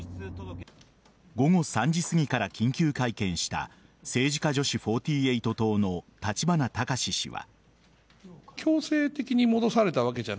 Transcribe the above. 午後３時すぎから緊急会見した政治家女子４８党の立花孝志氏は。